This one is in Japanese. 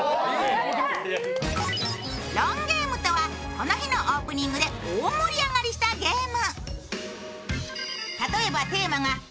この日のオープニングで大盛り上がりしたゲーム。